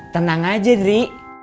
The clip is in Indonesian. tenang aja indri